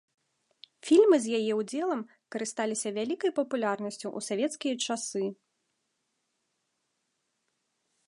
Фільмы з яе ўдзелам карысталіся вялікай папулярнасцю ў савецкія часы.